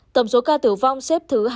tổng số ca tử vong xếp thứ hai mươi bốn